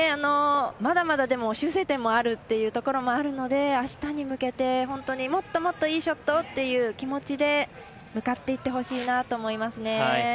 まだまだ、でも修正点もあるっていうところもあるのであしたに向けて、もっともっといいショットをという気持ちで向かっていってほしいなと思いますね。